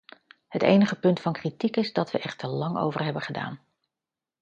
Hun enige punt van kritiek is dat we er te lang over hebben gedaan.